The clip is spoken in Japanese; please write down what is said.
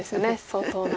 相当な。